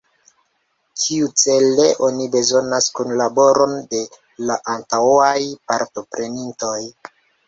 Kiucele oni bezonas kunlaboron de la antaŭaj partoprenintoj?